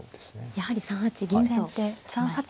やはり３八銀と打ちました。